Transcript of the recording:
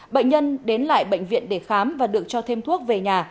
bệnh nhân đến lại bệnh viện để khám và được cho thêm thuốc về nhà